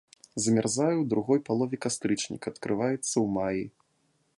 Замярзае ў другой палове кастрычніка, адкрываецца ў маі.